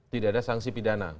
tidak ada sanksi pidana